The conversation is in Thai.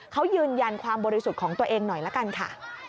เขายืนยันความบริสุทธิ์ของตัวเองหน่อยละกันค่ะ